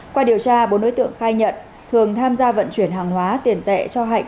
qua điều tra bốn đối tượng khai nhận thường tham gia vận chuyển hàng hóa tiền tệ cho hạnh